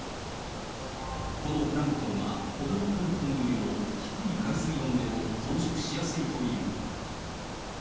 このプランクトンはほかのプランクトンよりも低い海水温でも増殖しやすいという。